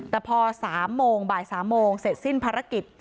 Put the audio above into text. แต่พอ๓โมงบ่าย๓โมงเสร็จสิ้นภารกิจ